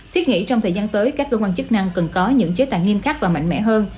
thiết nghĩ trong thời gian tới các cơ quan chức năng cần có những chế tài nghiêm khắc và mạnh mẽ hơn